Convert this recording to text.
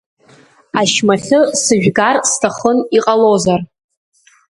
Ашьмахьы сыжәгар сҭахын иҟалозар.